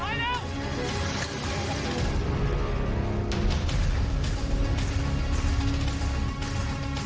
สวัสดีครับ